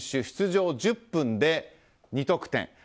出場１０分で２得点。